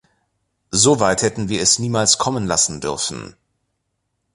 So weit hätten wir es niemals kommen lassen dürfen.